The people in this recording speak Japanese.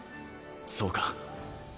そうか。